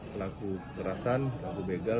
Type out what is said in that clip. pelaku kerasan pelaku begal